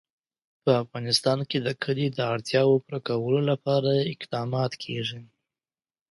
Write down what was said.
په افغانستان کې د کلي د اړتیاوو پوره کولو لپاره اقدامات کېږي.